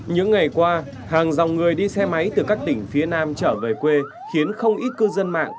những ngày qua hàng dòng người đi xe máy từ các tỉnh phía nam trở về quê khiến không ít cư dân mạng